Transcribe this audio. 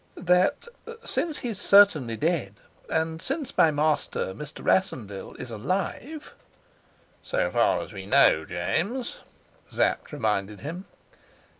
"That since he's certainly dead, and since my master, Mr. Rassendyll, is alive " "So far as we know, James," Sapt reminded him.